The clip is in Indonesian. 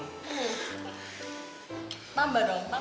udah sembilan ini mah